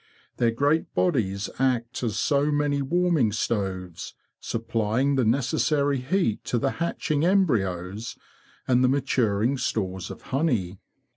Their great bodies act as so many warming stoves, supplying the necessary heat to the hatching embryos and the maturing stores of honey.